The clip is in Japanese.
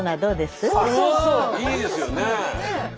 いいですよね！